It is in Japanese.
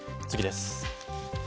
次です。